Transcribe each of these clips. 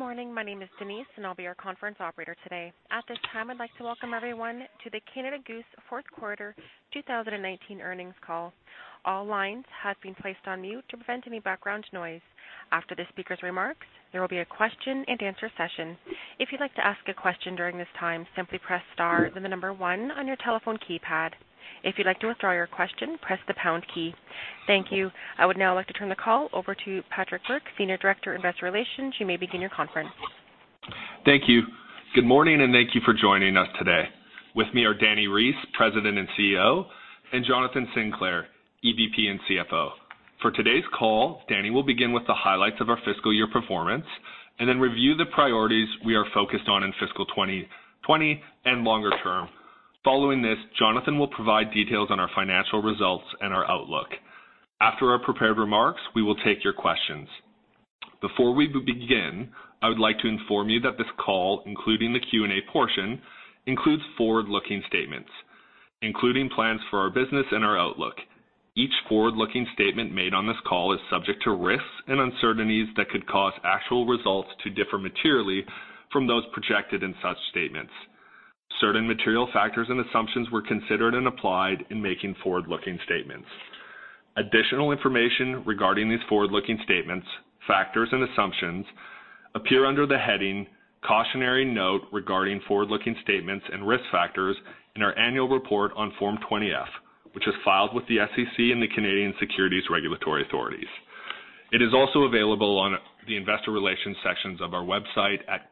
Good morning. My name is Denise. I'll be your conference operator today. At this time, I'd like to welcome everyone to the Canada Goose fourth quarter 2019 earnings call. All lines have been placed on mute to prevent any background noise. After the speaker's remarks, there will be a question and answer session. If you'd like to ask a question during this time, simply press star, then the number 1 on your telephone keypad. If you'd like to withdraw your question, press the pound key. Thank you. I would now like to turn the call over to Patrick Bourke, Senior Director, Investor Relations. You may begin your conference. Thank you. Good morning. Thank you for joining us today. With me are Dani Reiss, President and CEO, and Jonathan Sinclair, EVP and CFO. For today's call, Dani will begin with the highlights of our fiscal year performance and then review the priorities we are focused on in fiscal 2020 and longer term. Following this, Jonathan will provide details on our financial results and our outlook. After our prepared remarks, we will take your questions. Before we begin, I would like to inform you that this call, including the Q&A portion, includes forward-looking statements, including plans for our business and our outlook. Each forward-looking statement made on this call is subject to risks and uncertainties that could cause actual results to differ materially from those projected in such statements. Certain material factors and assumptions were considered and applied in making forward-looking statements. Additional information regarding these forward-looking statements, factors, and assumptions appear under the heading "Cautionary Note Regarding Forward-Looking Statements and Risk Factors" in our annual report on Form 20-F, which is filed with the SEC and the Canadian Securities Regulatory Authorities. It is also available on the investor relations sections of our website at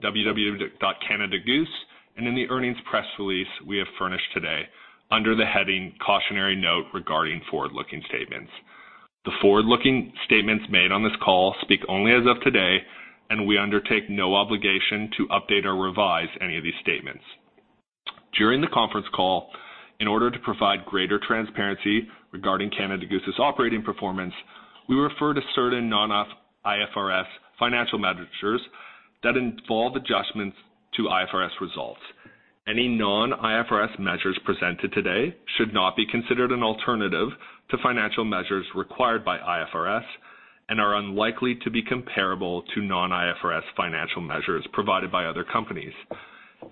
www.canadagoose, and in the earnings press release we have furnished today under the heading "Cautionary Note Regarding Forward-Looking Statements." The forward-looking statements made on this call speak only as of today, and we undertake no obligation to update or revise any of these statements. During the conference call, in order to provide greater transparency regarding Canada Goose's operating performance, we refer to certain non-IFRS financial measures that involve adjustments to IFRS results. Any non-IFRS measures presented today should not be considered an alternative to financial measures required by IFRS and are unlikely to be comparable to non-IFRS financial measures provided by other companies.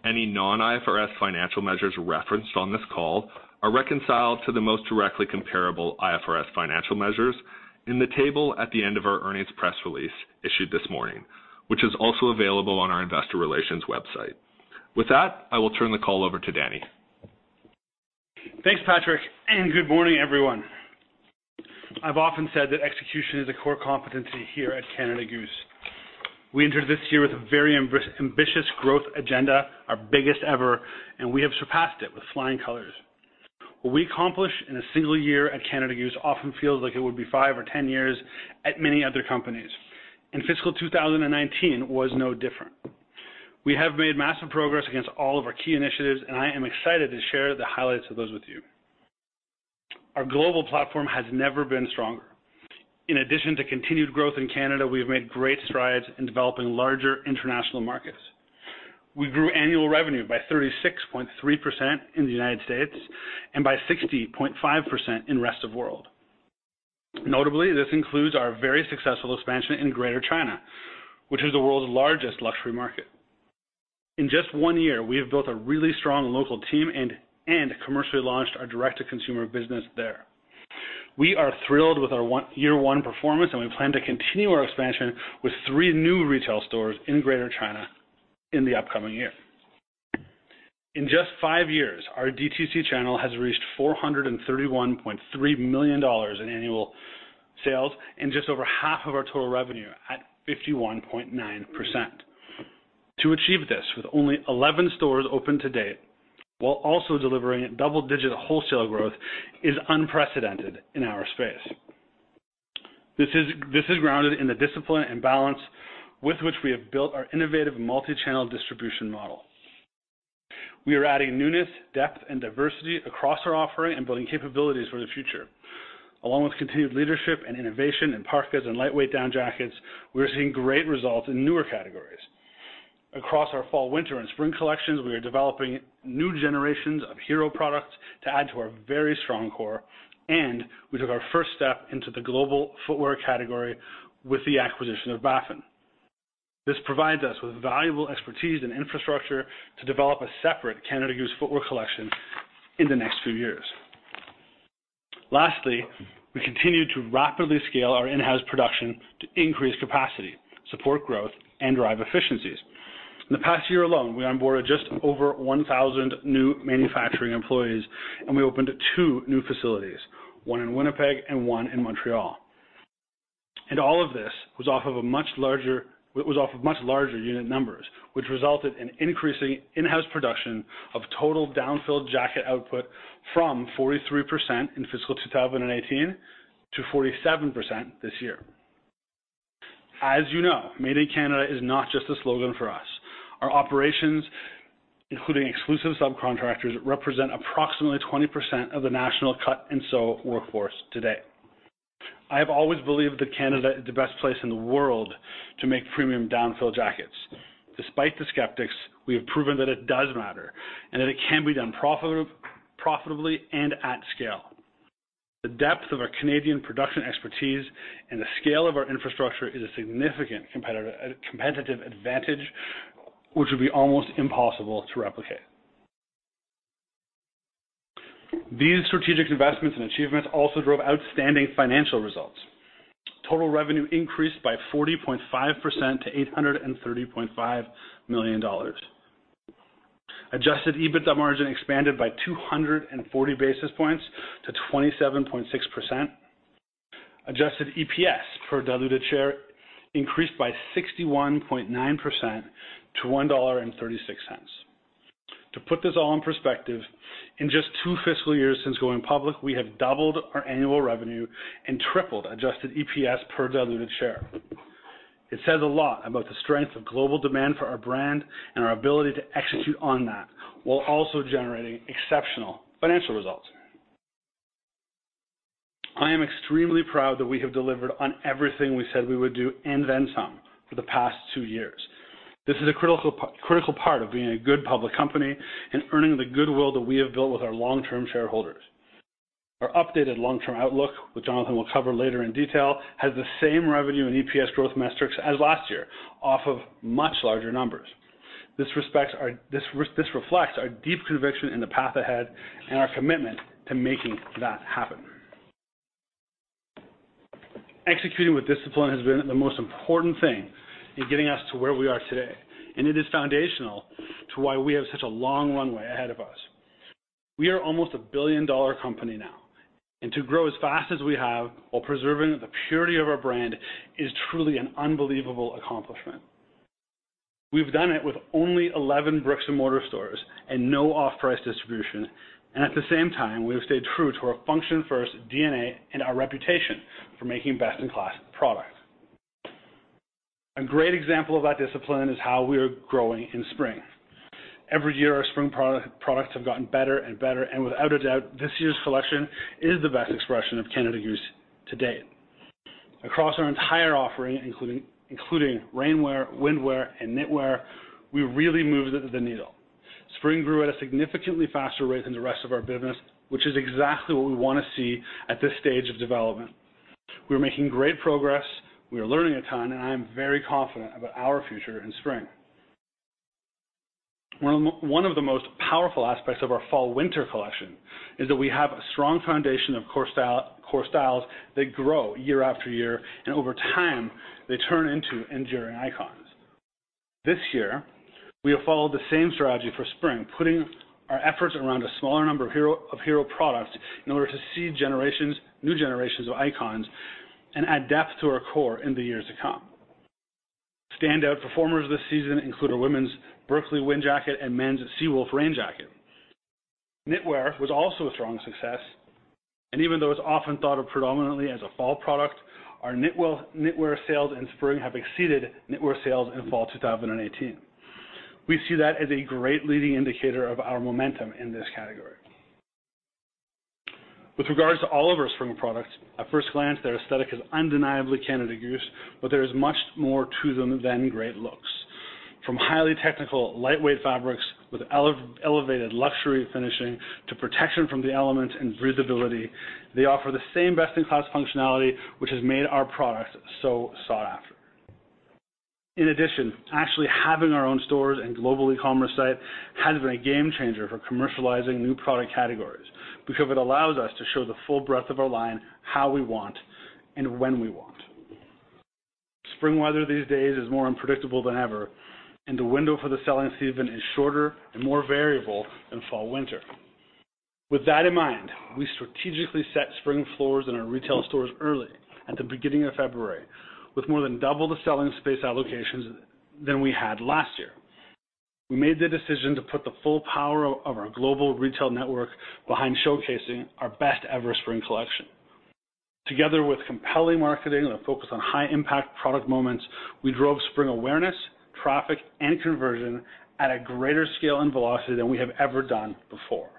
Any non-IFRS financial measures referenced on this call are reconciled to the most directly comparable IFRS financial measures in the table at the end of our earnings press release issued this morning, which is also available on our investor relations website. With that, I will turn the call over to Dani. Thanks, Patrick, and good morning, everyone. I've often said that execution is a core competency here at Canada Goose. We entered this year with a very ambitious growth agenda, our biggest ever, and we have surpassed it with flying colors. What we accomplish in a single year at Canada Goose often feels like it would be five or 10 years at many other companies, and fiscal 2019 was no different. We have made massive progress against all of our key initiatives, and I am excited to share the highlights of those with you. Our global platform has never been stronger. In addition to continued growth in Canada, we have made great strides in developing larger international markets. We grew annual revenue by 36.3% in the U.S. and by 60.5% in rest of world. Notably, this includes our very successful expansion in Greater China, which is the world's largest luxury market. In just one year, we have built a really strong local team and commercially launched our direct-to-consumer business there. We are thrilled with our year one performance. We plan to continue our expansion with three new retail stores in Greater China in the upcoming year. In just five years, our DTC channel has reached 431.3 million dollars in annual sales and just over half of our total revenue at 51.9%. To achieve this with only 11 stores open to date while also delivering double-digit wholesale growth is unprecedented in our space. This is grounded in the discipline and balance with which we have built our innovative multi-channel distribution model. We are adding newness, depth, and diversity across our offering and building capabilities for the future. Along with continued leadership and innovation in parkas and lightweight down jackets, we are seeing great results in newer categories. Across our fall, winter, and spring collections, we are developing new generations of hero products to add to our very strong core. We took our first step into the global footwear category with the acquisition of Baffin. This provides us with valuable expertise and infrastructure to develop a separate Canada Goose footwear collection in the next few years. Lastly, we continue to rapidly scale our in-house production to increase capacity, support growth, and drive efficiencies. In the past year alone, we onboarded just over 1,000 new manufacturing employees. We opened two new facilities, one in Winnipeg and one in Montreal. All of this was off of much larger unit numbers, which resulted in increasing in-house production of total down-filled jacket output from 43% in fiscal 2018 to 47% this year. As you know, Made in Canada is not just a slogan for us. Our operations, including exclusive subcontractors, represent approximately 20% of the national cut-and-sew workforce today. I have always believed that Canada is the best place in the world to make premium down-fill jackets. Despite the skeptics, we have proven that it does matter and that it can be done profitably and at scale. The depth of our Canadian production expertise and the scale of our infrastructure is a significant competitive advantage, which would be almost impossible to replicate. These strategic investments and achievements also drove outstanding financial results. Total revenue increased by 40.5% to 830.5 million dollars. Adjusted EBITDA margin expanded by 240 basis points to 27.6%. Adjusted EPS per diluted share increased by 61.9% to 1.36 dollar. To put this all in perspective, in just two fiscal years since going public, we have doubled our annual revenue and tripled Adjusted EPS per diluted share. It says a lot about the strength of global demand for our brand and our ability to execute on that, while also generating exceptional financial results. I am extremely proud that we have delivered on everything we said we would do and then some for the past two years. This is a critical part of being a good public company and earning the goodwill that we have built with our long-term shareholders. Our updated long-term outlook, which Jonathan will cover later in detail, has the same revenue and EPS growth metrics as last year, off of much larger numbers. This reflects our deep conviction in the path ahead and our commitment to making that happen. Executing with discipline has been the most important thing in getting us to where we are today, and it is foundational to why we have such a long runway ahead of us. We are almost a billion-dollar company now, and to grow as fast as we have while preserving the purity of our brand is truly an unbelievable accomplishment. We've done it with only 11 bricks-and-mortar stores and no off-price distribution, and at the same time, we have stayed true to our function first DNA and our reputation for making best-in-class product. A great example of that discipline is how we are growing in spring. Every year, our spring products have gotten better and better, and without a doubt, this year's collection is the best expression of Canada Goose to date. Across our entire offering, including rainwear, windwear, and knitwear, we really moved the needle. Spring grew at a significantly faster rate than the rest of our business, which is exactly what we want to see at this stage of development. We are making great progress, we are learning a ton, and I am very confident about our future in spring. One of the most powerful aspects of our fall/winter collection is that we have a strong foundation of core styles that grow year after year, and over time, they turn into enduring icons. This year, we have followed the same strategy for spring, putting our efforts around a smaller number of hero products in order to seed new generations of icons and add depth to our core in the years to come. Standout performers this season include our women's Berkeley wind jacket and men's Seawolf rain jacket. Knitwear was also a strong success, and even though it's often thought of predominantly as a fall product, our knitwear sales in spring have exceeded knitwear sales in fall 2018. We see that as a great leading indicator of our momentum in this category. With regards to all of our spring products, at first glance, their aesthetic is undeniably Canada Goose, but there is much more to them than great looks. From highly technical lightweight fabrics with elevated luxury finishing to protection from the elements and breathability, they offer the same best-in-class functionality, which has made our products so sought after. In addition, actually having our own stores and global e-commerce site has been a game changer for commercializing new product categories because it allows us to show the full breadth of our line, how we want and when we want. Spring weather these days is more unpredictable than ever, and the window for the selling season is shorter and more variable than fall/winter. With that in mind, we strategically set spring floors in our retail stores early, at the beginning of February, with more than double the selling space allocations than we had last year. We made the decision to put the full power of our global retail network behind showcasing our best ever spring collection. Together with compelling marketing and a focus on high impact product moments, we drove spring awareness, traffic, and conversion at a greater scale and velocity than we have ever done before.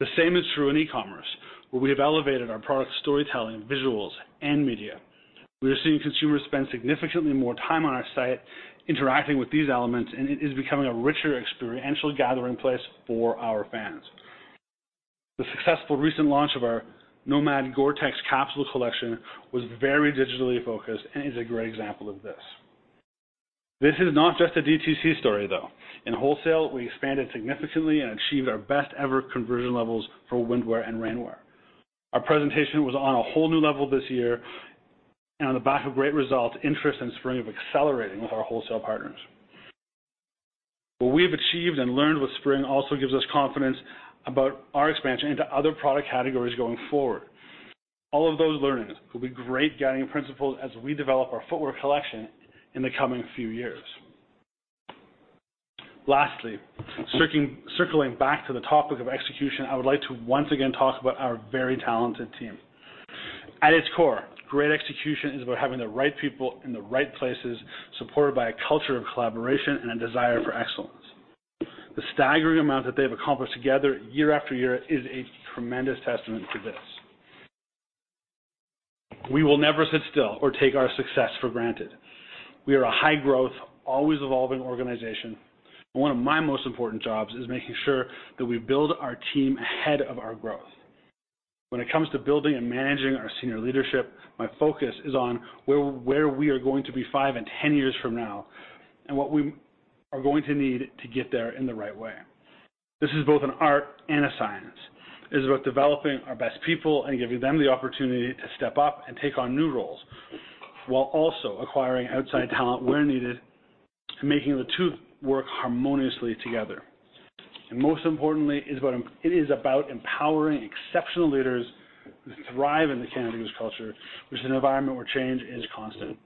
The same is true in e-commerce, where we have elevated our product storytelling, visuals, and media. We are seeing consumers spend significantly more time on our site interacting with these elements, and it is becoming a richer experiential gathering place for our fans. The successful recent launch of our Nomad GORE-TEX capsule collection was very digitally focused and is a great example of this. This is not just a D2C story, though. In wholesale, we expanded significantly and achieved our best ever conversion levels for windwear and rainwear. Our presentation was on a whole new level this year, and on the back of great results, interest in spring is accelerating with our wholesale partners. What we have achieved and learned with spring also gives us confidence about our expansion into other product categories going forward. All of those learnings will be great guiding principles as we develop our footwear collection in the coming few years. Lastly, circling back to the topic of execution, I would like to once again talk about our very talented team. At its core, great execution is about having the right people in the right places, supported by a culture of collaboration and a desire for excellence. The staggering amount that they've accomplished together year after year is a tremendous testament to this. We will never sit still or take our success for granted. We are a high-growth, always evolving organization, and one of my most important jobs is making sure that we build our team ahead of our growth. When it comes to building and managing our senior leadership, my focus is on where we are going to be five and 10 years from now, and what we are going to need to get there in the right way. This is both an art and a science. It is about developing our best people and giving them the opportunity to step up and take on new roles, while also acquiring outside talent where needed, and making the two work harmoniously together. Most importantly, it is about empowering exceptional leaders to thrive in the Canada Goose culture, which is an environment where change is constant.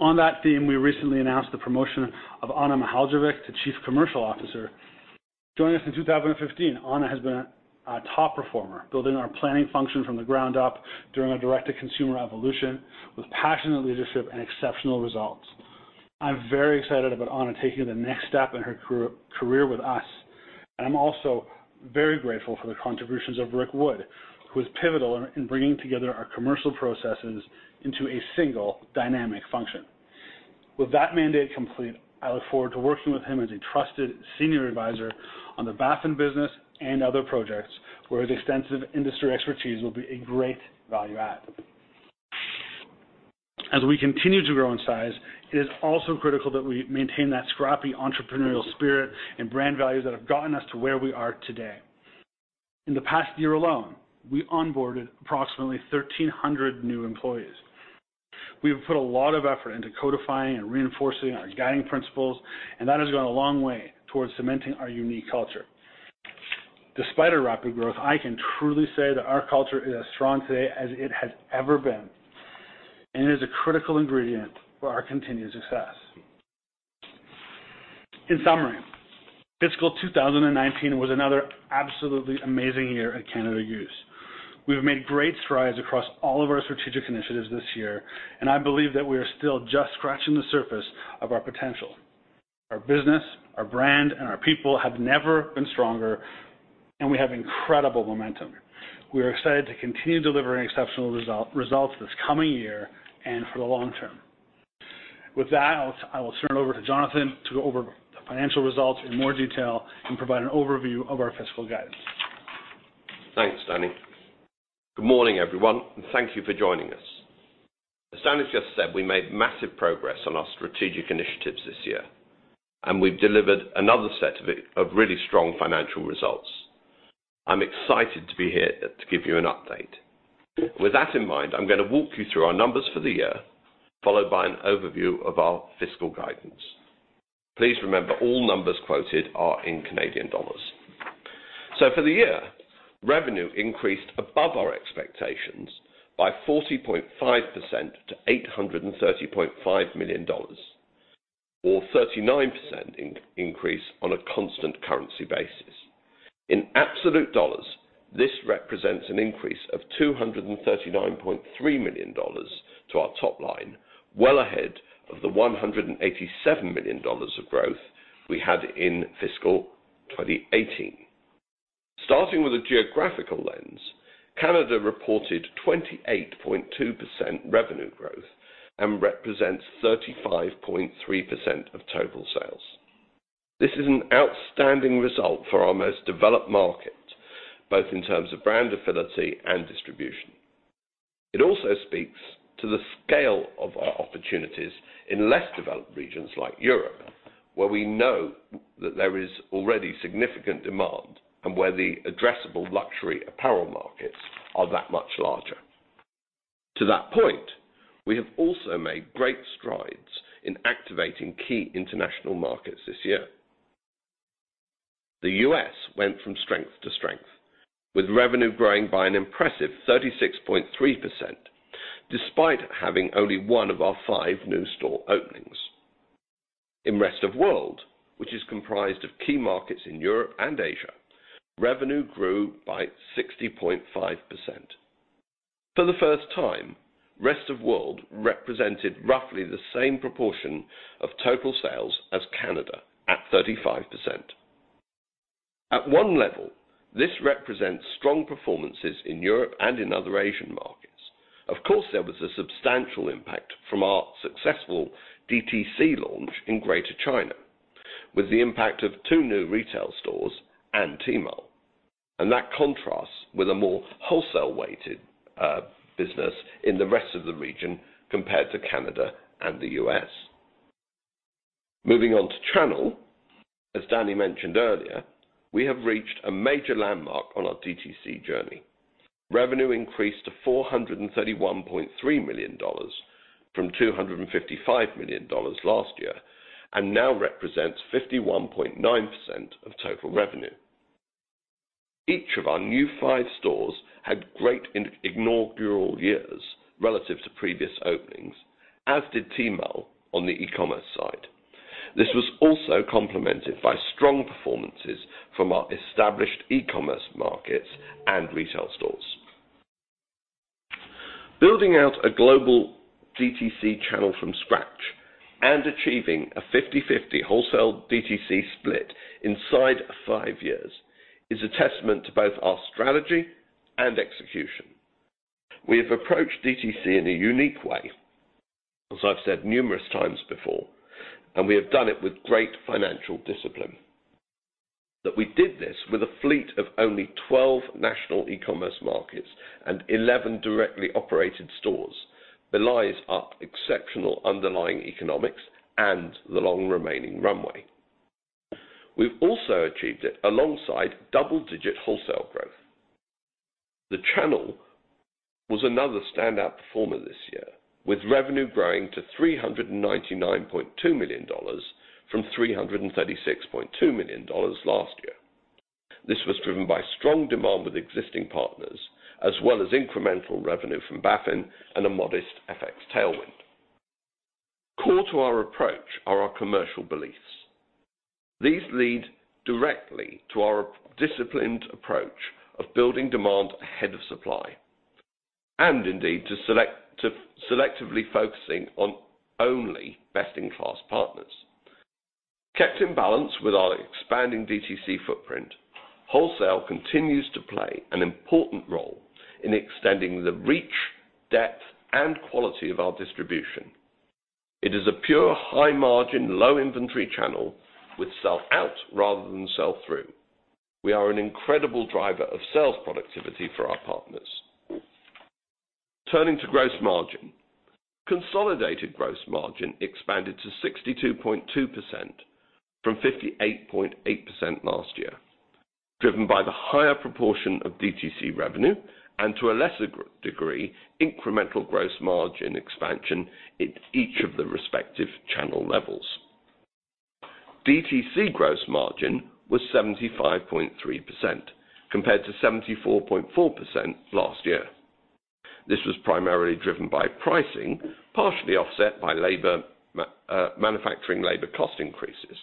On that theme, we recently announced the promotion of Ana Mihaljevic to Chief Commercial Officer. Joining us in 2015, Ana has been a top performer, building our planning function from the ground up during our direct-to-consumer evolution with passionate leadership and exceptional results. I'm very excited about Ana taking the next step in her career with us, and I'm also very grateful for the contributions of Rick Wood, who was pivotal in bringing together our commercial processes into a single dynamic function. With that mandate complete, I look forward to working with him as a trusted senior advisor on the Baffin Business and other projects, where his extensive industry expertise will be a great value add. As we continue to grow in size, it is also critical that we maintain that scrappy entrepreneurial spirit and brand values that have gotten us to where we are today. In the past year alone, we onboarded approximately 1,300 new employees. We have put a lot of effort into codifying and reinforcing our guiding principles, and that has gone a long way towards cementing our unique culture. Despite our rapid growth, I can truly say that our culture is as strong today as it has ever been, and it is a critical ingredient for our continued success. In summary, fiscal 2019 was another absolutely amazing year at Canada Goose. We have made great strides across all of our strategic initiatives this year. I believe that we are still just scratching the surface of our potential. Our business, our brand, and our people have never been stronger. We have incredible momentum. We are excited to continue delivering exceptional results this coming year and for the long term. With that, I will turn it over to Jonathan to go over the financial results in more detail and provide an overview of our fiscal guidance. Thanks, Dani. Good morning, everyone. Thank you for joining us. As Dani just said, we made massive progress on our strategic initiatives this year. We've delivered another set of really strong financial results. I'm excited to be here to give you an update. With that in mind, I'm going to walk you through our numbers for the year, followed by an overview of our fiscal guidance. Please remember, all numbers quoted are in CAD. For the year, revenue increased above our expectations by 40.5% to 830.5 million dollars, or 39% increase on a constant currency basis. In absolute dollars, this represents an increase of 239.3 million dollars to our top line, well ahead of the 187 million dollars of growth we had in fiscal 2018. Starting with a geographical lens, Canada reported 28.2% revenue growth and represents 35.3% of total sales. This is an outstanding result for our most developed market, both in terms of brand affinity and distribution. It also speaks to the scale of our opportunities in less developed regions like Europe, where we know that there is already significant demand and where the addressable luxury apparel markets are that much larger. To that point, we have also made great strides in activating key international markets this year. The U.S. went from strength to strength, with revenue growing by an impressive 36.3%, despite having only one of our five new store openings. In rest of world, which is comprised of key markets in Europe and Asia, revenue grew by 60.5%. For the first time, rest of world represented roughly the same proportion of total sales as Canada at 35%. At one level, this represents strong performances in Europe and in other Asian markets. Of course, there was a substantial impact from our successful DTC launch in Greater China, with the impact of two new retail stores and Tmall. That contrasts with a more wholesale-weighted business in the rest of the region compared to Canada and the U.S. Moving on to channel, as Dani mentioned earlier, we have reached a major landmark on our DTC journey. Revenue increased to 431.3 million dollars from 255 million dollars last year and now represents 51.9% of total revenue. Each of our new five stores had great inaugural years relative to previous openings, as did Tmall on the e-commerce side. This was also complemented by strong performances from our established e-commerce markets and retail stores. Building out a global DTC channel from scratch. Achieving a 50/50 wholesale DTC split inside five years is a testament to both our strategy and execution. We have approached DTC in a unique way, as I've said numerous times before. We have done it with great financial discipline. That we did this with a fleet of only 12 national e-commerce markets and 11 directly operated stores belies our exceptional underlying economics and the long-remaining runway. We've also achieved it alongside double-digit wholesale growth. The channel was another standout performer this year, with revenue growing to 399.2 million dollars from 336.2 million dollars last year. This was driven by strong demand with existing partners, as well as incremental revenue from Baffin and a modest FX tailwind. Core to our approach are our commercial beliefs. These lead directly to our disciplined approach of building demand ahead of supply, and indeed, to selectively focusing on only best-in-class partners. Kept in balance with our expanding DTC footprint, wholesale continues to play an important role in extending the reach, depth, and quality of our distribution. It is a pure high margin, low inventory channel with sell out rather than sell through. We are an incredible driver of sales productivity for our partners. Turning to gross margin. Consolidated gross margin expanded to 62.2% from 58.8% last year, driven by the higher proportion of DTC revenue and, to a lesser degree, incremental gross margin expansion at each of the respective channel levels. DTC gross margin was 75.3%, compared to 74.4% last year. This was primarily driven by pricing, partially offset by manufacturing labor cost increases.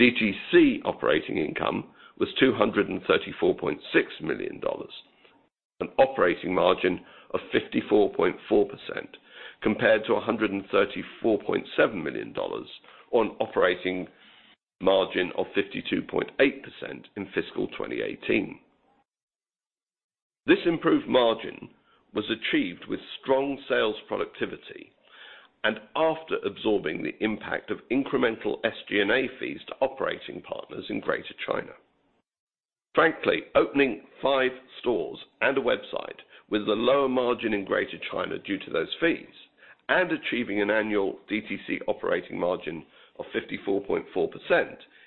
DTC operating income was 234.6 million dollars, an operating margin of 54.4%, compared to 134.7 million dollars on operating margin of 52.8% in fiscal 2018. This improved margin was achieved with strong sales productivity and after absorbing the impact of incremental SG&A fees to operating partners in Greater China. Frankly, opening five stores and a website with a lower margin in Greater China due to those fees, and achieving an annual DTC operating margin of 54.4%,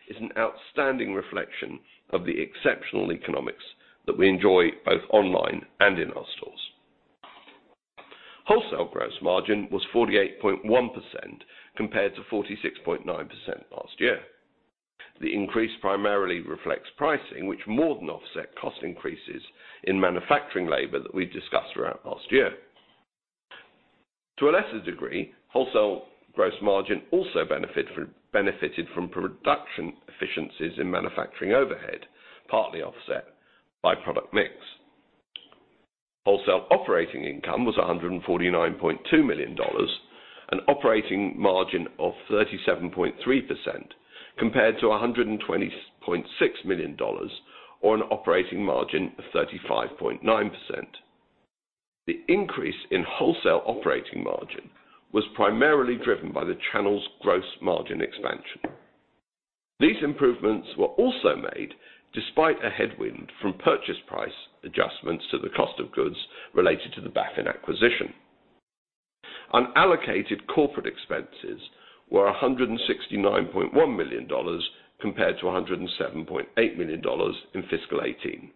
is an outstanding reflection of the exceptional economics that we enjoy both online and in our stores. Wholesale gross margin was 48.1%, compared to 46.9% last year. The increase primarily reflects pricing, which more than offset cost increases in manufacturing labor that we've discussed throughout last year. To a lesser degree, wholesale gross margin also benefited from production efficiencies in manufacturing overhead, partly offset by product mix. Wholesale operating income was 149.2 million dollars, an operating margin of 37.3%, compared to 120.6 million dollars, or an operating margin of 35.9%. The increase in wholesale operating margin was primarily driven by the channel's gross margin expansion. These improvements were also made despite a headwind from purchase price adjustments to the cost of goods related to the Baffin acquisition. Unallocated corporate expenses were 169.1 million dollars, compared to 107.8 million dollars in fiscal 2018.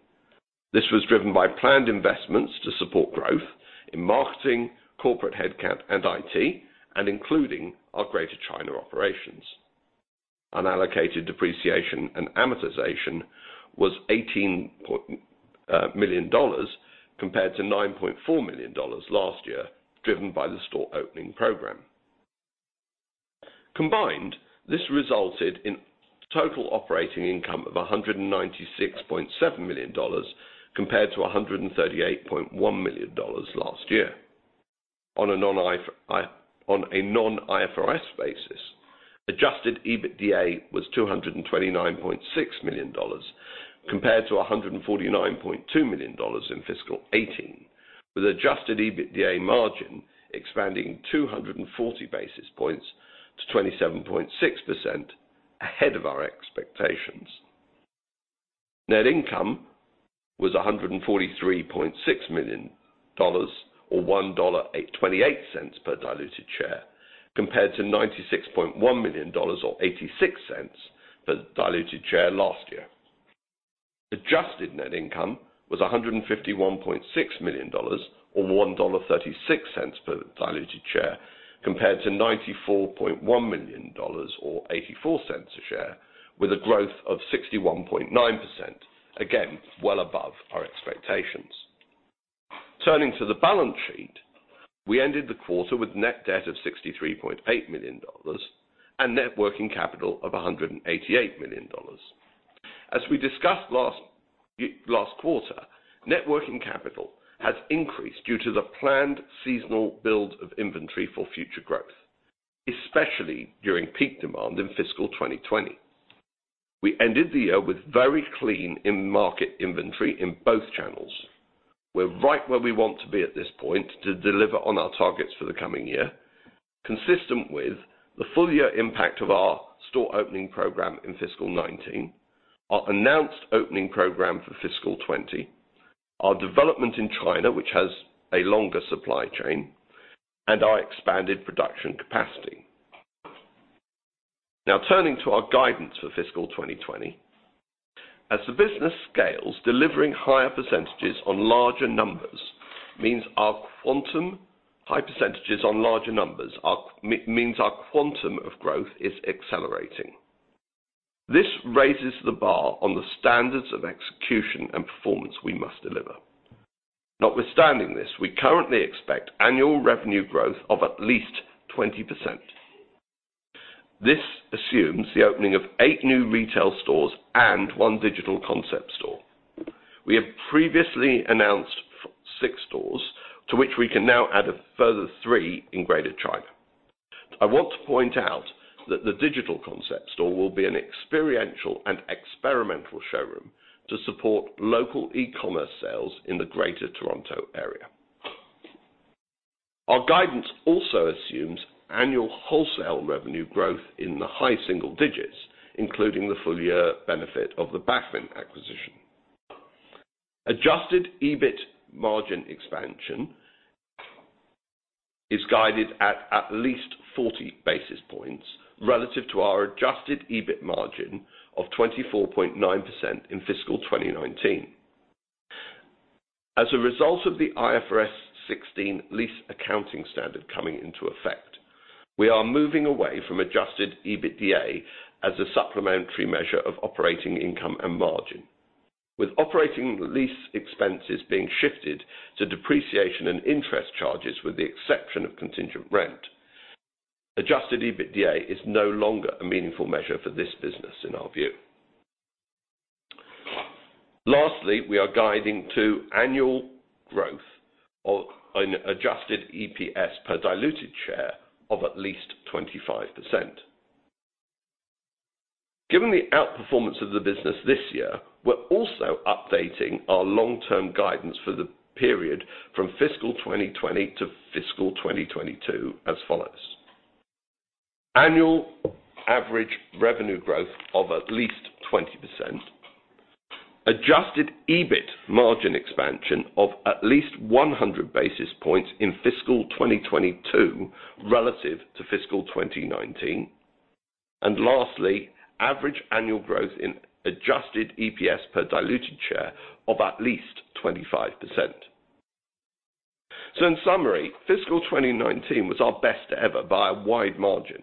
This was driven by planned investments to support growth in marketing, corporate headcount, and IT, and including our Greater China operations. Unallocated depreciation and amortization was 18 million dollars compared to 9.4 million dollars last year, driven by the store opening program. Combined, this resulted in total operating income of 196.7 million dollars compared to 138.1 million dollars last year. On a non-IFRS basis, adjusted EBITDA was 229.6 million dollars compared to 149.2 million dollars in fiscal 2018, with adjusted EBITDA margin expanding 240 basis points to 27.6%, ahead of our expectations. Net income was 143.6 million dollars, or 1.28 dollar per diluted share, compared to 96.1 million dollars, or 0.86 per diluted share last year. Adjusted net income was 151.6 million dollars, or 1.36 dollar per diluted share, compared to 94.1 million dollars or 0.84 a share, with a growth of 61.9%. Again, well above our expectations. Turning to the balance sheet, we ended the quarter with net debt of 63.8 million dollars and net working capital of 188 million dollars. As we discussed last quarter, net working capital has increased due to the planned seasonal build of inventory for future growth, especially during peak demand in fiscal 2020. We ended the year with very clean in-market inventory in both channels. We're right where we want to be at this point to deliver on our targets for the coming year, consistent with the full year impact of our store opening program in fiscal 2019, our announced opening program for fiscal 2020, our development in China, which has a longer supply chain, and our expanded production capacity. Now turning to our guidance for fiscal 2020. As the business scales, delivering higher percentages on larger numbers means our quantum high percentages on larger numbers means our quantum of growth is accelerating. This raises the bar on the standards of execution and performance we must deliver. Notwithstanding this, we currently expect annual revenue growth of at least 20%. This assumes the opening of eight new retail stores and one digital concept store. We have previously announced six stores, to which we can now add a further three in Greater China. I want to point out that the digital concept store will be an experiential and experimental showroom to support local e-commerce sales in the Greater Toronto area. Our guidance also assumes annual wholesale revenue growth in the high single digits, including the full year benefit of the Baffin acquisition. Adjusted EBIT margin expansion is guided at at least 40 basis points relative to our adjusted EBIT margin of 24.9% in fiscal 2019. As a result of the IFRS 16 lease accounting standard coming into effect, we are moving away from adjusted EBITDA as a supplementary measure of operating income and margin. With operating lease expenses being shifted to depreciation and interest charges, with the exception of contingent rent, adjusted EBITDA is no longer a meaningful measure for this business in our view. Lastly, we are guiding to annual growth of an adjusted EPS per diluted share of at least 25%. Given the outperformance of the business this year, we're also updating our long-term guidance for the period from fiscal 2020 to fiscal 2022 as follows. Annual average revenue growth of at least 20%, adjusted EBIT margin expansion of at least 100 basis points in fiscal 2022 relative to fiscal 2019, and lastly, average annual growth in adjusted EPS per diluted share of at least 25%. In summary, fiscal 2019 was our best ever by a wide margin,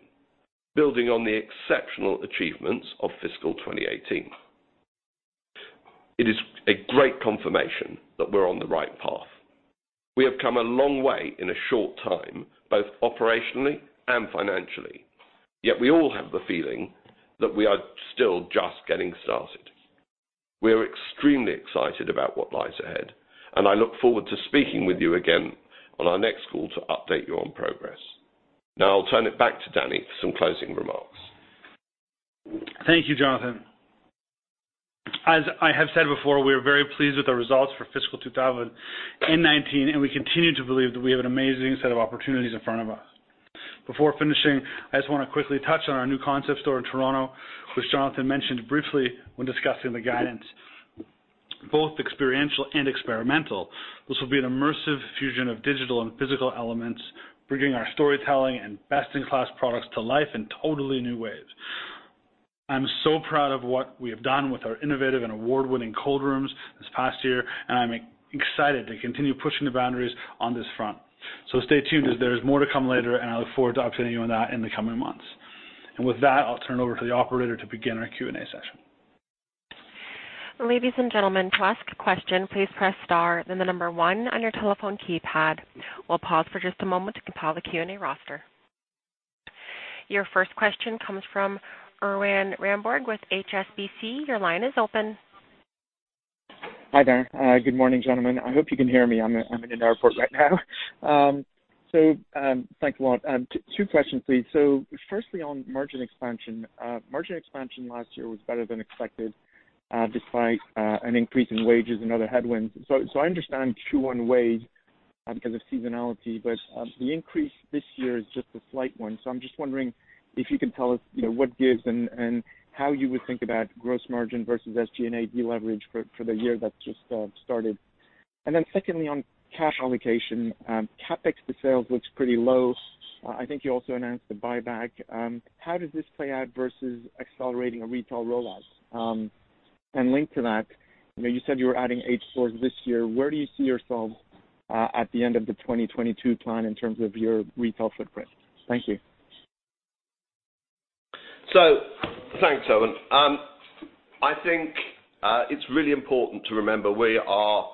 building on the exceptional achievements of fiscal 2018. It is a great confirmation that we're on the right path. We have come a long way in a short time, both operationally and financially. Yet we all have the feeling that we are still just getting started. We are extremely excited about what lies ahead, and I look forward to speaking with you again on our next call to update you on progress. I'll turn it back to Dani for some closing remarks. Thank you, Jonathan. As I have said before, we are very pleased with the results for fiscal 2019, and we continue to believe that we have an amazing set of opportunities in front of us. Before finishing, I just want to quickly touch on our new concept store in Toronto, which Jonathan mentioned briefly when discussing the guidance. Both experiential and experimental, this will be an immersive fusion of digital and physical elements, bringing our storytelling and best-in-class products to life in totally new ways. I'm so proud of what we have done with our innovative and award-winning cold rooms this past year, and I'm excited to continue pushing the boundaries on this front. Stay tuned, as there's more to come later, and I look forward to updating you on that in the coming months. With that, I'll turn it over to the operator to begin our Q&A session. Ladies and gentlemen, to ask a question, please press star then the number one on your telephone keypad. We'll pause for just a moment to compile the Q&A roster. Your first question comes from Erwan Rambourg with HSBC. Your line is open. Hi there. Good morning, gentlemen. I hope you can hear me. I'm in an airport right now. Thanks a lot. Two questions, please. Firstly, on margin expansion. Margin expansion last year was better than expected, despite an increase in wages and other headwinds. I understand Q1 wage because of seasonality, but the increase this year is just a slight one. I'm just wondering if you can tell us what gives and how you would think about gross margin versus SG&A deleverage for the year that's just started. Secondly, on cash allocation. CapEx to sales looks pretty low. I think you also announced the buyback. How does this play out versus accelerating a retail rollout? Linked to that, you said you were adding eight stores this year. Where do you see yourselves at the end of the 2022 plan in terms of your retail footprint? Thank you. Thanks, Erwan. I think it's really important to remember we are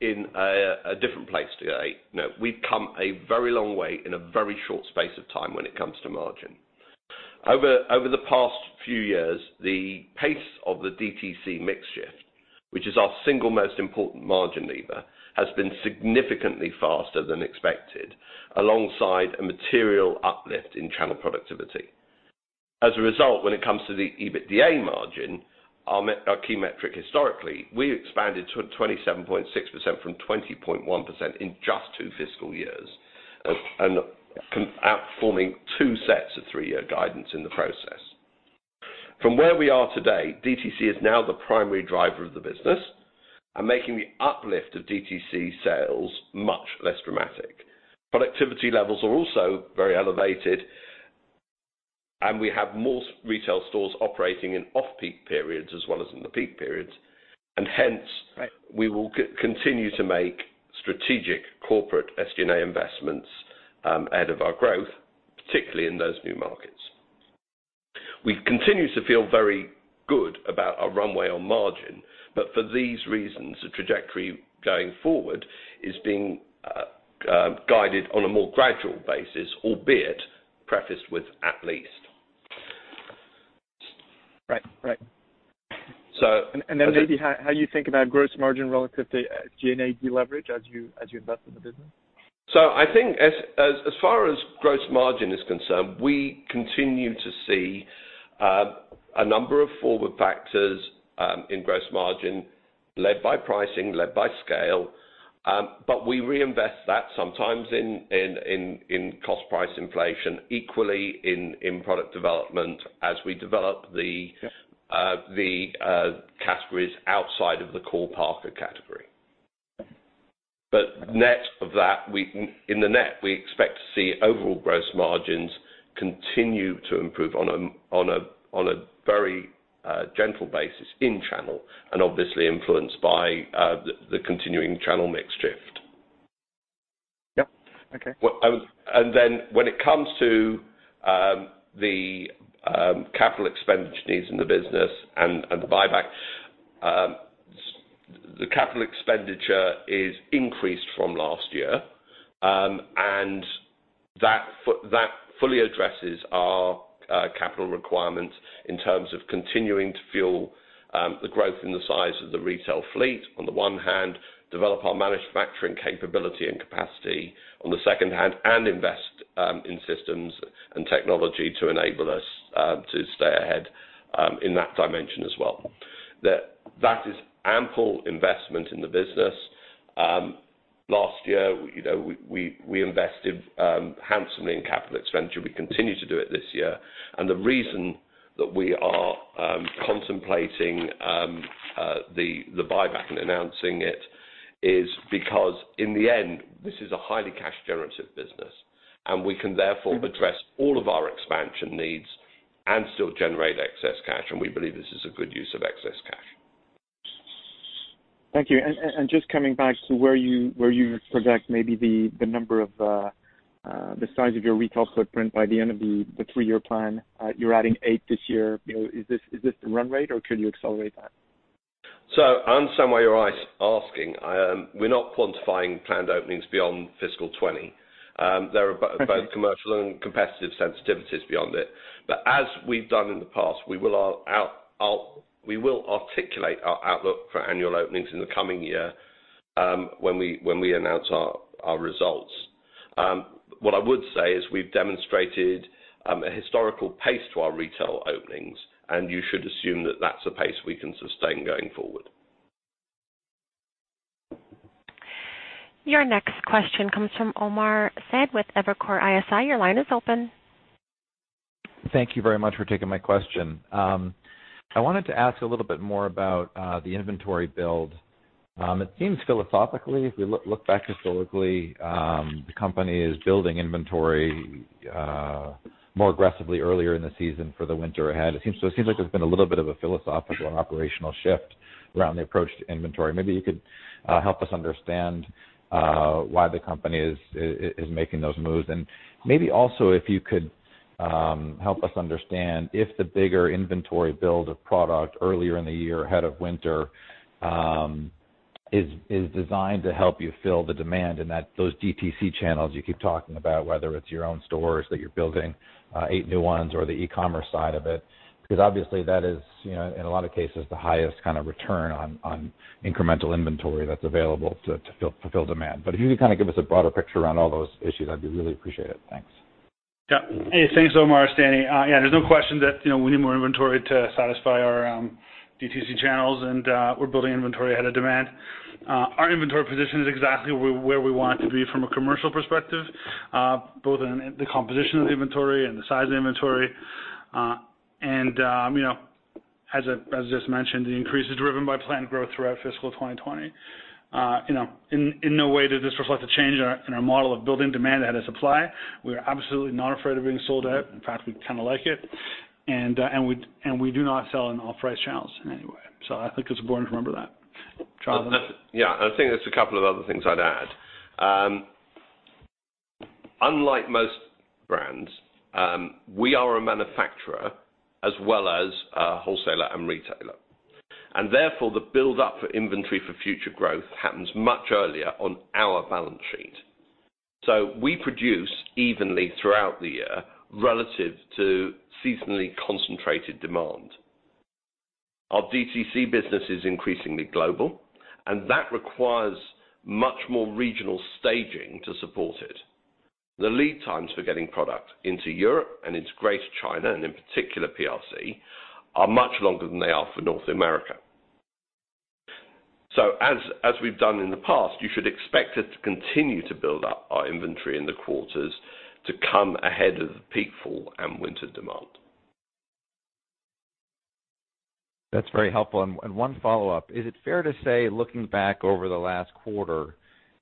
in a different place today. We've come a very long way in a very short space of time when it comes to margin. Over the past few years, the pace of the DTC mix shift, which is our single most important margin lever, has been significantly faster than expected, alongside a material uplift in channel productivity. As a result, when it comes to the EBITDA margin, our key metric historically, we expanded to 27.6% from 20.1% in just two fiscal years, outperforming two sets of three-year guidance in the process. From where we are today, DTC is now the primary driver of the business and making the uplift of DTC sales much less dramatic. Productivity levels are also very elevated, and we have more retail stores operating in off-peak periods as well as in the peak periods. Hence, we will continue to make strategic corporate SG&A investments ahead of our growth, particularly in those new markets. We continue to feel very good about our runway on margin. For these reasons, the trajectory going forward is being guided on a more gradual basis, albeit prefaced with at least. Right. So- Maybe how you think about gross margin relative to G&A deleverage as you invest in the business? I think as far as gross margin is concerned, we continue to see a number of forward factors in gross margin led by pricing, led by scale. We reinvest that sometimes in cost price inflation, equally in product development as we develop. Yeah categories outside of the core parka category. Net of that, in the net, we expect to see overall gross margins continue to improve on a very gentle basis in channel, obviously influenced by the continuing channel mix shift. Yep. Okay. When it comes to the capital expenditure needs in the business and the buyback, the capital expenditure is increased from last year. That fully addresses our capital requirement in terms of continuing to fuel the growth in the size of the retail fleet, on the one hand, develop our manufacturing capability and capacity on the second hand, and invest in systems and technology to enable us to stay ahead in that dimension as well. That is ample investment in the business. Last year, we invested handsomely in capital expenditure. We continue to do it this year. The reason that we are contemplating the buyback and announcing it is because in the end, this is a highly cash generative business, and we can therefore address all of our expansion needs and still generate excess cash, and we believe this is a good use of excess cash. Thank you. Just coming back to where you project maybe the size of your retail footprint by the end of the three-year plan. You're adding eight this year. Is this the run rate, or can you accelerate that? I understand what you're asking. We're not quantifying planned openings beyond fiscal 2020. Okay commercial and competitive sensitivities beyond it. As we've done in the past, we will articulate our outlook for annual openings in the coming year, when we announce our results. What I would say is we've demonstrated a historical pace to our retail openings, and you should assume that that's a pace we can sustain going forward. Your next question comes from Omar Saad with Evercore ISI. Your line is open. Thank you very much for taking my question. I wanted to ask a little bit more about the inventory build. It seems philosophically, if we look back historically, the company is building inventory more aggressively earlier in the season for the winter ahead. It seems like there's been a little bit of a philosophical and operational shift around the approach to inventory. Maybe you could help us understand why the company is making those moves. Maybe also if you could help us understand if the bigger inventory build of product earlier in the year ahead of winter is designed to help you fill the demand and those DTC channels you keep talking about, whether it's your own stores that you're building, eight new ones or the e-commerce side of it. Obviously that is, in a lot of cases, the highest return on incremental inventory that's available to fulfill demand. If you could give us a broader picture around all those issues, I'd be really appreciate it. Thanks. Hey, thanks, Omar. It's Dani. There's no question that we need more inventory to satisfy our DTC channels, and we're building inventory ahead of demand. Our inventory position is exactly where we want it to be from a commercial perspective, both in the composition of the inventory and the size of the inventory. As just mentioned, the increase is driven by planned growth throughout fiscal 2020. In no way does this reflect a change in our model of building demand ahead of supply. We are absolutely not afraid of being sold out. In fact, we like it. We do not sell in off-price channels in any way. I think it's important to remember that. Charles? I think there's a couple of other things I'd add. Unlike most brands, we are a manufacturer as well as a wholesaler and retailer. Therefore the buildup for inventory for future growth happens much earlier on our balance sheet. We produce evenly throughout the year relative to seasonally concentrated demand. Our DTC business is increasingly global, and that requires much more regional staging to support it. The lead times for getting product into Europe and into greater China, and in particular PRC, are much longer than they are for North America. As we've done in the past, you should expect us to continue to build up our inventory in the quarters to come ahead of the peak fall and winter demand. That's very helpful. One follow-up. Is it fair to say, looking back over the last quarter,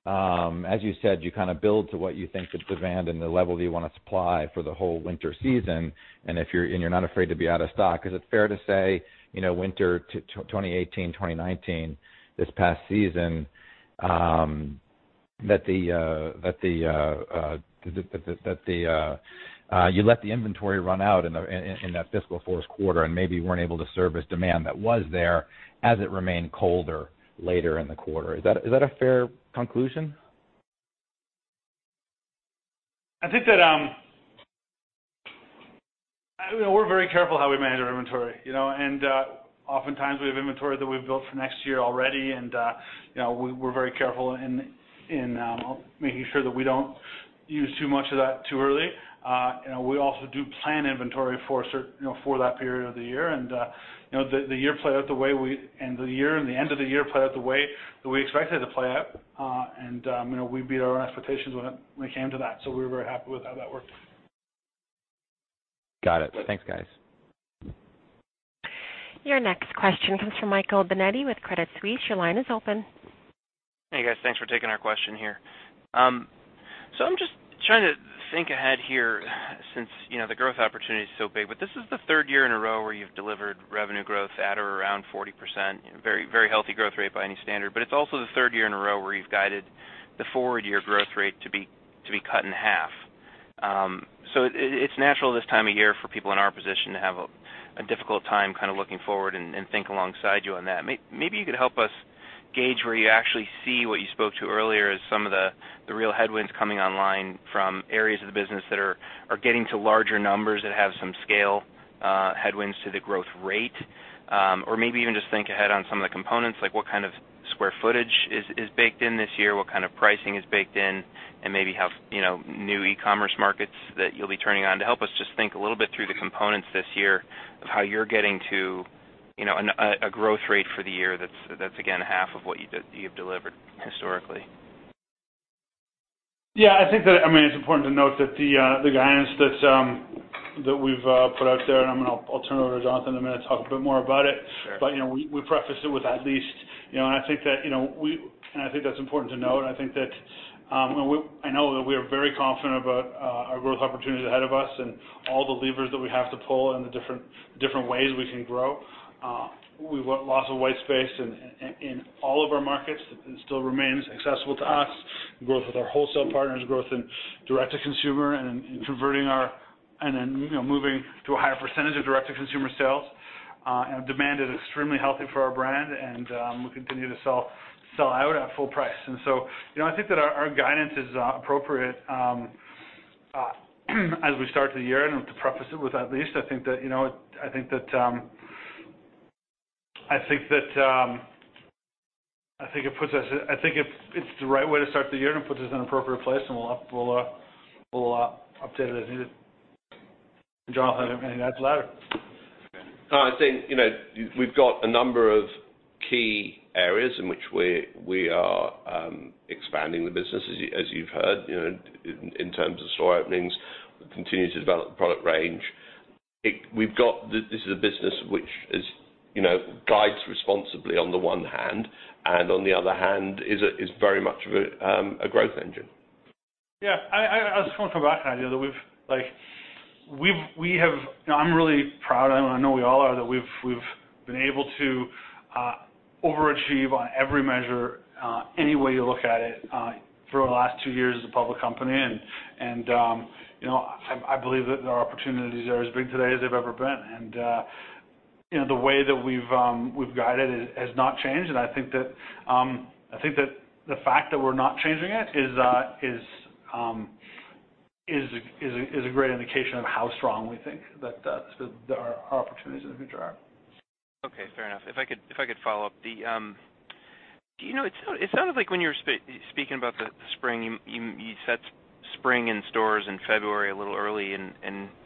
as you said, you build to what you think the demand and the level you want to supply for the whole winter season, and you're not afraid to be out of stock? Is it fair to say, winter 2018, 2019, this past season, that you let the inventory run out in that fiscal fourth quarter and maybe weren't able to service demand that was there as it remained colder later in the quarter? Is that a fair conclusion? I think that we're very careful how we manage our inventory. Oftentimes we have inventory that we've built for next year already, and we're very careful in making sure that we don't use too much of that too early. We also do plan inventory for that period of the year and the end of the year played out the way that we expected it to play out. We beat our own expectations when it came to that, so we were very happy with how that worked. Got it. Thanks, guys. Your next question comes from Michael Binetti with Credit Suisse. Your line is open. Hey, guys. Thanks for taking our question here. I'm just trying to think ahead here since the growth opportunity is so big. This is the third year in a row where you've delivered revenue growth at or around 40%. Very healthy growth rate by any standard. It's also the third year in a row where you've guided the forward year growth rate to be cut in half. It's natural this time of year for people in our position to have a difficult time looking forward and think alongside you on that. Maybe you could help us gauge where you actually see what you spoke to earlier as some of the real headwinds coming online from areas of the business that are getting to larger numbers, that have some scale headwinds to the growth rate. Maybe even just think ahead on some of the components, like what kind of square footage is baked in this year, what kind of pricing is baked in, and maybe how new e-commerce markets that you'll be turning on. To help us just think a little bit through the components this year of how you're getting to a growth rate for the year that's, again, half of what you've delivered historically. I think that it's important to note that the guidance that we've put out there, and I'll turn it over to Jonathan in a minute to talk a bit more about it. Sure. We preface it with at least, and I think that's important to note. I know that we are very confident about our growth opportunities ahead of us and all the levers that we have to pull and the different ways we can grow. We've got lots of white space in all of our markets and still remains accessible to us. Growth with our wholesale partners, growth in direct to consumer, and then moving to a higher percentage of direct to consumer sales. Demand is extremely healthy for our brand, and we'll continue to sell out at full price. I think that our guidance is appropriate as we start the year, and to preface it with at least, I think it's the right way to start the year and it puts us in an appropriate place, and we'll update it as needed. Jonathan, anything to add to that? No. I think we've got a number of key areas in which we are expanding the business, as you've heard, in terms of store openings. We continue to develop the product range. This is a business which guides responsibly on the one hand, and on the other hand, is very much of a growth engine. Yeah. I just want to come back on the idea that I'm really proud, and I know we all are, that we've been able to overachieve on every measure, any way you look at it, for the last two years as a public company. I believe that our opportunities are as big today as they've ever been. The way that we've guided it has not changed, and I think that the fact that we're not changing it is a great indication of how strong we think that our opportunities in the future are. Okay, fair enough. If I could follow up. It sounded like when you were speaking about the spring, you set spring in stores in February a little early, and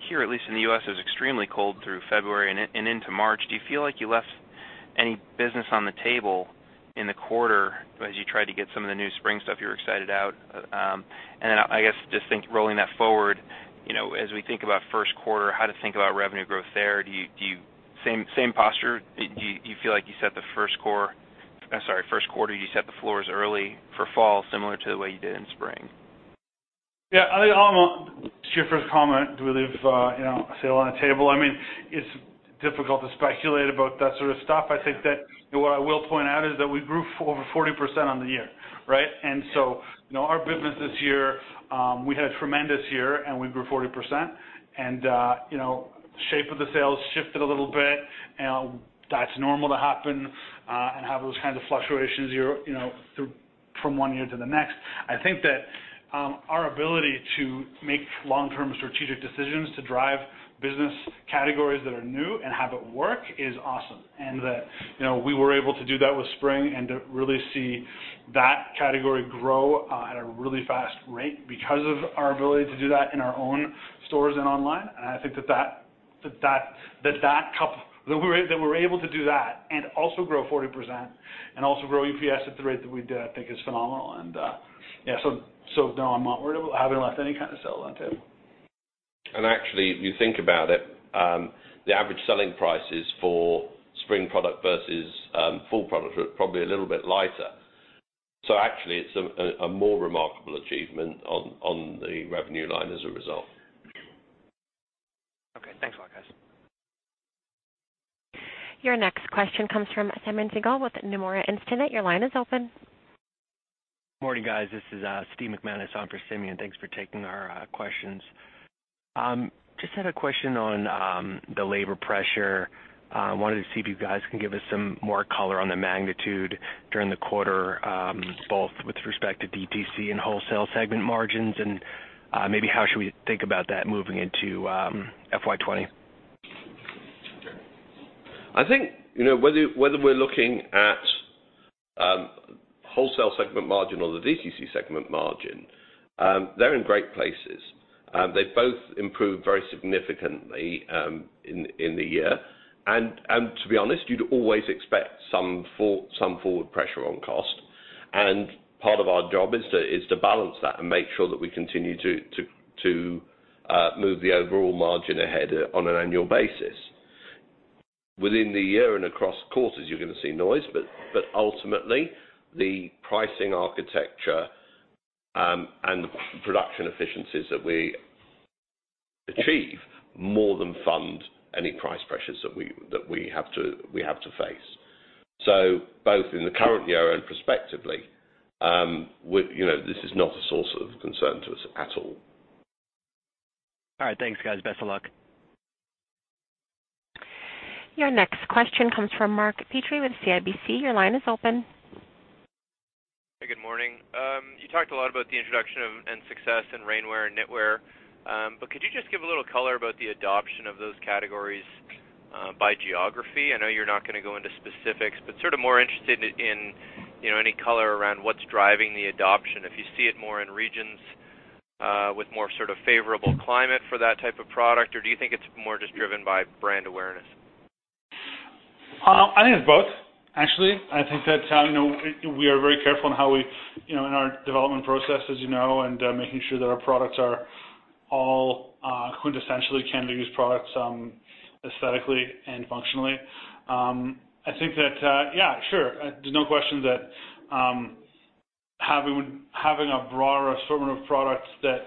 here, at least in the U.S., it was extremely cold through February and into March. Do you feel like you left any business on the table in the quarter as you tried to get some of the new spring stuff you were excited out? Then I guess just think rolling that forward, as we think about first quarter, how to think about revenue growth there, same posture? Do you feel like you set the first quarter, you set the floors early for fall similar to the way you did in spring? Yeah, I think to your first comment, do we leave a sale on the table? It's difficult to speculate about that sort of stuff. I think that what I will point out is that we grew over 40% on the year. Right? Our business this year, we had a tremendous year, and we grew 40%. The shape of the sales shifted a little bit, and that's normal to happen, and have those kinds of fluctuations from one year to the next. I think that our ability to make long-term strategic decisions to drive business categories that are new and have it work is awesome. That we were able to do that with spring and to really see that category grow at a really fast rate because of our ability to do that in our own stores and online. I think that we were able to do that and also grow 40% and also grow EPS at the rate that we did, I think is phenomenal. Yeah, so no, I'm not worried about having left any kind of sale on the table. Actually, if you think about it, the average selling prices for spring product versus fall product are probably a little bit lighter. Actually, it's a more remarkable achievement on the revenue line as a result. Okay. Thanks a lot, guys. Your next question comes from Simeon Siegel with Nomura Instinet. Your line is open. Morning, guys. This is Steve McManus on for Simeon. Thanks for taking our questions. Just had a question on the labor pressure. Wanted to see if you guys can give us some more color on the magnitude during the quarter, both with respect to DTC and wholesale segment margins, and maybe how should we think about that moving into FY 2020? I think whether we're looking at wholesale segment margin or the DTC segment margin, they're in great places. They've both improved very significantly in the year. To be honest, you'd always expect some forward pressure on cost. Part of our job is to balance that and make sure that we continue to move the overall margin ahead on an annual basis. Within the year and across quarters, you're going to see noise, ultimately, the pricing architecture and the production efficiencies that we achieve more than fund any price pressures that we have to face. Both in the current year and prospectively, this is not a source of concern to us at all. All right, thanks guys. Best of luck. Your next question comes from Mark Petrie with CIBC. Your line is open. Hey, good morning. You talked a lot about the introduction and success in rainwear and knitwear. Could you just give a little color about the adoption of those categories by geography? I know you're not going to go into specifics, but sort of more interested in any color around what's driving the adoption. If you see it more in regions with more sort of favorable climate for that type of product, or do you think it's more just driven by brand awareness? I think it's both, actually. I think that we are very careful in our development process, as you know, and making sure that our products are all quintessentially Canada Goose products, aesthetically and functionally. I think that, yeah, sure, there's no question that having a broader assortment of products that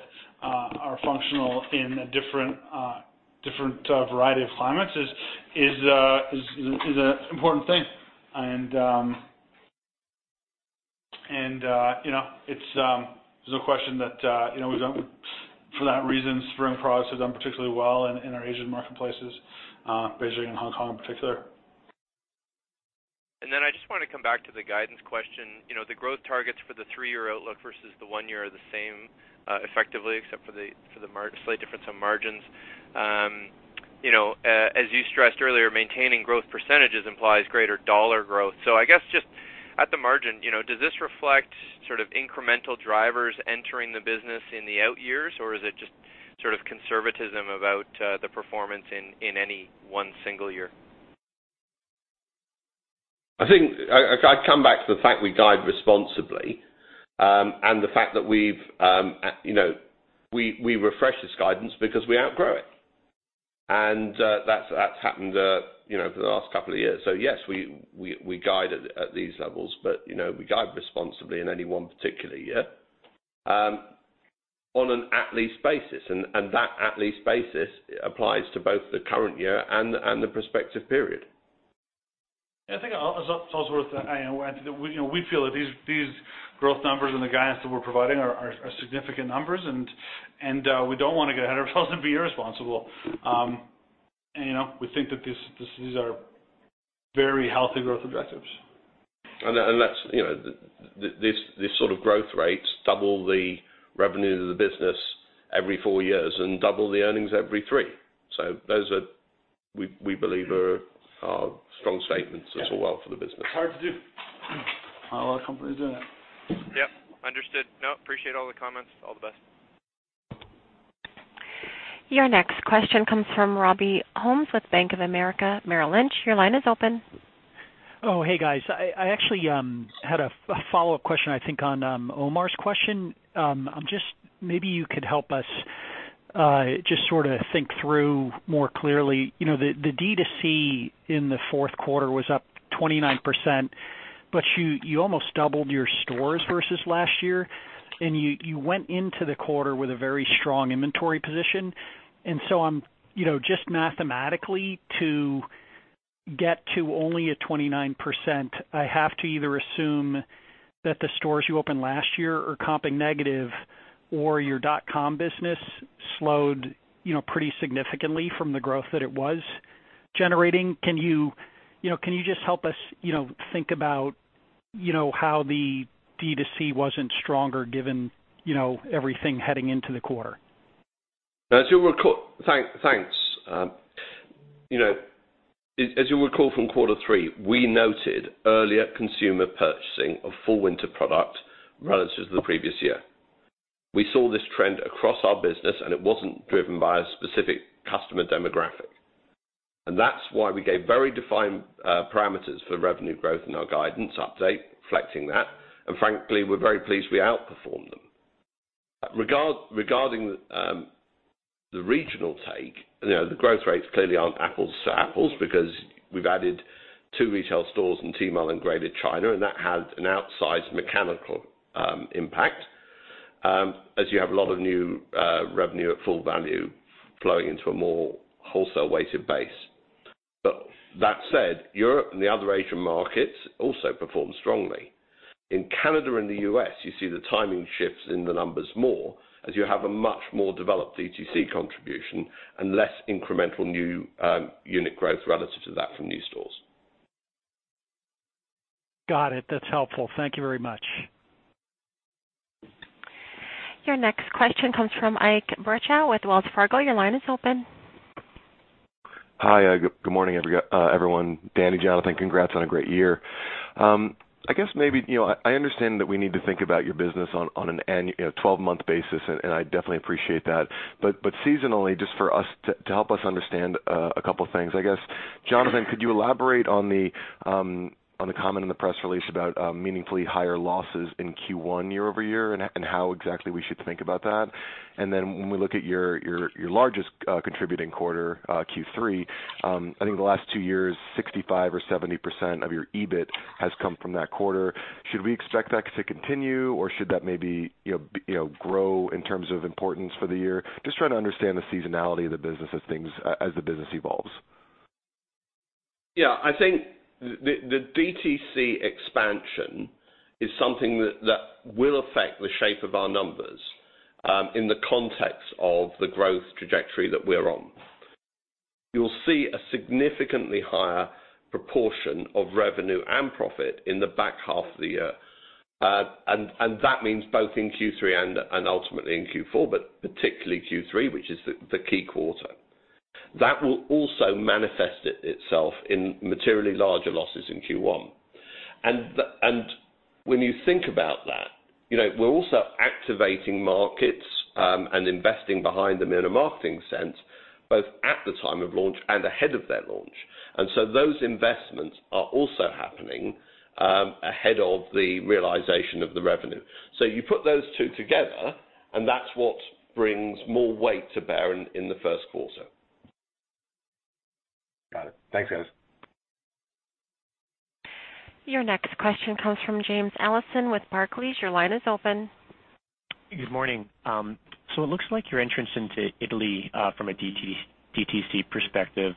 are functional in a different variety of climates is an important thing. There's no question that for that reason, spring products have done particularly well in our Asian marketplaces, basically in Hong Kong in particular. I just want to come back to the guidance question. The growth targets for the three-year outlook versus the one year are the same, effectively, except for the slight difference on margins. As you stressed earlier, maintaining growth % implies greater dollar growth. I guess just at the margin, does this reflect incremental drivers entering the business in the out years, or is it just sort of conservatism about the performance in any one single year? I think I'd come back to the fact we guide responsibly, and the fact that we refresh this guidance because we outgrow it. That's happened for the last couple of years. Yes, we guide at these levels, but we guide responsibly in any one particular year on an at least basis. That at least basis applies to both the current year and the prospective period. Yeah, I think it's also worth adding we feel that these growth numbers and the guidance that we're providing are significant numbers, and we don't want to get ahead of ourselves and be irresponsible. We think that these are very healthy growth objectives. These sort of growth rates double the revenue to the business every four years and double the earnings every three. Those, we believe, are strong statements as well for the business. It's hard to do. Not a lot of companies doing it. Yep. Understood. No, appreciate all the comments. All the best. Your next question comes from Robert Ohmes with Bank of America Merrill Lynch. Your line is open. Oh, hey guys. I actually had a follow-up question, I think, on Omar's question. Maybe you could help us just sort of think through more clearly. The DTC in the fourth quarter was up 29%. You almost doubled your stores versus last year, and you went into the quarter with a very strong inventory position. Just mathematically to get to only a 29%, I have to either assume that the stores you opened last year are comping negative or your dotcom business slowed pretty significantly from the growth that it was generating. Can you just help us think about how the D2C wasn't stronger given everything heading into the quarter? Thanks. As you'll recall from quarter three, we noted earlier consumer purchasing of full winter product relative to the previous year. We saw this trend across our business, and it wasn't driven by a specific customer demographic. That's why we gave very defined parameters for revenue growth in our guidance update reflecting that. Frankly, we're very pleased we outperformed them. Regarding the regional take, the growth rates clearly aren't apples to apples because we've added two retail stores in Tmall and Greater China, and that had an outsized mechanical impact, as you have a lot of new revenue at full value flowing into a more wholesale weighted base. That said, Europe and the other Asian markets also performed strongly. In Canada and the U.S., you see the timing shifts in the numbers more, as you have a much more developed DTC contribution and less incremental new unit growth relative to that from new stores. Got it. That's helpful. Thank you very much. Your next question comes from Ike Boruchow with Wells Fargo. Your line is open. Hi, good morning everyone. Dani, Jonathan, congrats on a great year. I understand that we need to think about your business on a 12-month basis, and I definitely appreciate that. Seasonally, just to help us understand a couple things. I guess, Jonathan, could you elaborate on the comment in the press release about meaningfully higher losses in Q1 year-over-year and how exactly we should think about that? Then when we look at your largest contributing quarter, Q3, I think the last 2 years, 65% or 70% of your EBIT has come from that quarter. Should we expect that to continue or should that maybe grow in terms of importance for the year? Just trying to understand the seasonality of the business as the business evolves. I think the DTC expansion is something that will affect the shape of our numbers, in the context of the growth trajectory that we're on. You'll see a significantly higher proportion of revenue and profit in the back half of the year. That means both in Q3 and ultimately in Q4, but particularly Q3, which is the key quarter. That will also manifest itself in materially larger losses in Q1. When you think about that, we're also activating markets, and investing behind them in a marketing sense, both at the time of launch and ahead of that launch. Those investments are also happening ahead of the realization of the revenue. You put those two together, and that's what brings more weight to bear in the first quarter. Got it. Thanks, guys. Your next question comes from James Allison with Barclays. Your line is open. Good morning. It looks like your entrance into Italy, from a DTC perspective,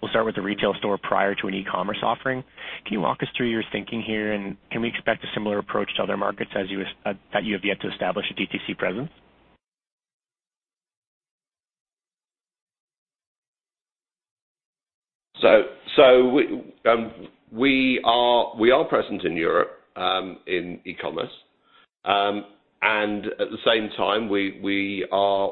will start with the retail store prior to an e-commerce offering. Can you walk us through your thinking here, and can we expect a similar approach to other markets that you have yet to establish a DTC presence? We are present in Europe, in e-commerce. At the same time, we've made our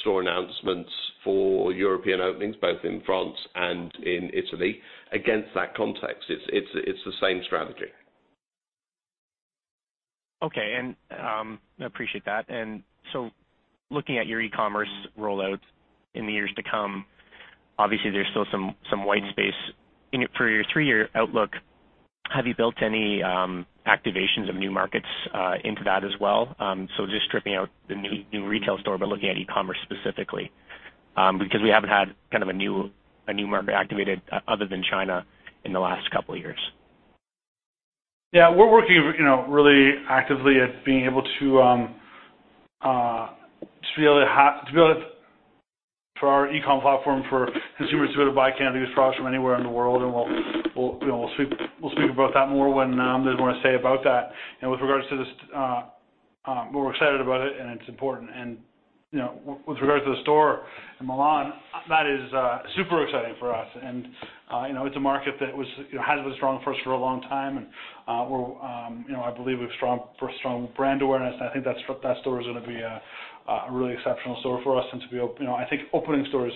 store announcements for European openings both in France and in Italy. Against that context, it's the same strategy. Okay. I appreciate that. Looking at your e-commerce rollout in the years to come, obviously there's still some white space in it. For your three-year outlook, have you built any activations of new markets into that as well? Just stripping out the new retail store, but looking at e-commerce specifically, because we haven't had a new market activated other than China in the last couple of years. Yeah. We're working really actively at being able to build for our e-com platform for consumers to be able to buy Canada Goose products from anywhere in the world. We'll speak about that more when there's more to say about that. With regards to this, we're excited about it's important. With regards to the store in Milan, that is super exciting for us. It's a market that has been strong for us for a long time. I believe for a strong brand awareness, I think that store is going to be a really exceptional store for us. I think opening stores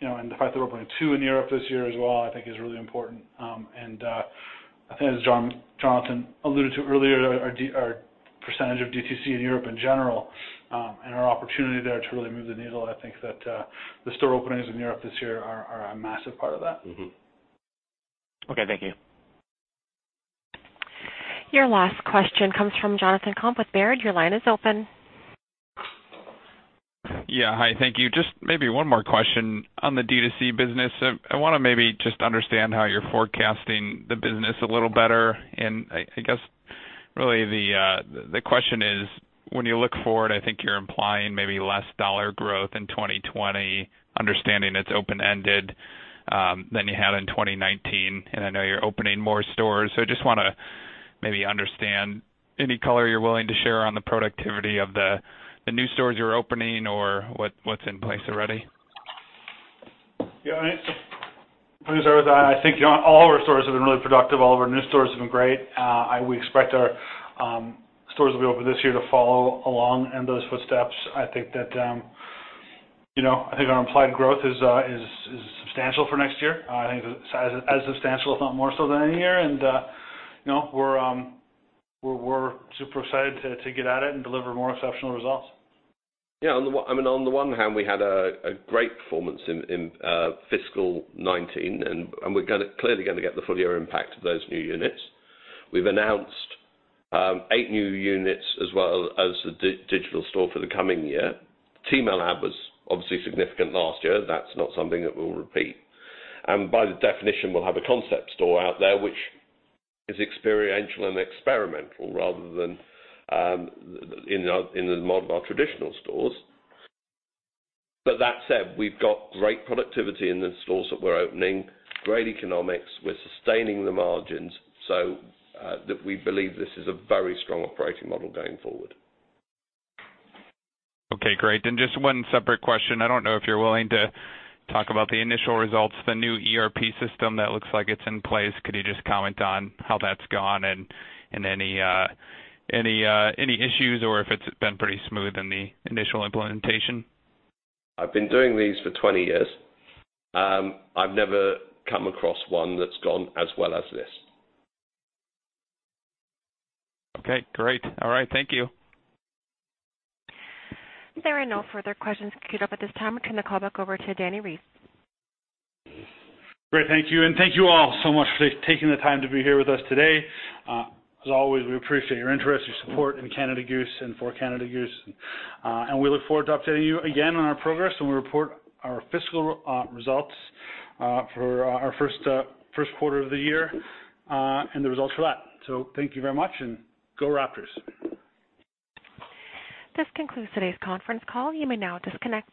and the fact that we're opening two in Europe this year as well, I think is really important. I think as Jonathan alluded to earlier, our percentage of DTC in Europe in general, and our opportunity there to really move the needle, I think that the store openings in Europe this year are a massive part of that. Okay. Thank you. Your last question comes from Jonathan Komp with Baird. Your line is open. Yeah. Hi. Thank you. Just maybe one more question on the DTC business. I want to maybe just understand how you're forecasting the business a little better. I guess really the question is when you look forward, I think you're implying maybe less dollar growth in 2020, understanding it's open-ended, than you had in 2019. I know you're opening more stores, so I just want to maybe understand any color you're willing to share on the productivity of the new stores you're opening or what's in place already. Yeah. I mean, I think all of our stores have been really productive. All of our new stores have been great. We expect our stores will be open this year to follow along in those footsteps. I think our implied growth is substantial for next year. I think as substantial, if not more so, than any year. We're super excited to get at it and deliver more exceptional results. Yeah, on the one hand, we had a great performance in fiscal 2019, and we're clearly going to get the full year impact of those new units. We've announced 8 new units as well as the digital store for the coming year. Tmall Lab was obviously significant last year. That's not something that we'll repeat. By definition, we'll have a concept store out there, which is experiential and experimental rather than in the model of our traditional stores. That said, we've got great productivity in the stores that we're opening, great economics. We're sustaining the margins so that we believe this is a very strong operating model going forward. Okay, great. Just one separate question. I don't know if you're willing to talk about the initial results of the new ERP system that looks like it's in place. Could you just comment on how that's gone and any issues, or if it's been pretty smooth in the initial implementation? I've been doing these for 20 years. I've never come across one that's gone as well as this. Okay, great. All right, thank you. There are no further questions queued up at this time. I turn the call back over to Dani Reiss. Great. Thank you, and thank you all so much for taking the time to be here with us today. As always, we appreciate your interest, your support in Canada Goose and for Canada Goose. We look forward to updating you again on our progress when we report our fiscal results for our first quarter of the year, and the results for that. Thank you very much, and go Raptors. This concludes today's conference call. You may now disconnect.